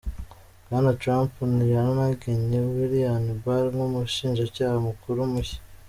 Bwana Trump yanagennye William Barr nk'umushinjacyaha mukuru mushya.